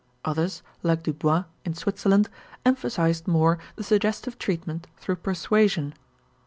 Others, like Dubois, in Switzerland, emphasized more the suggestive treatment through persuasion.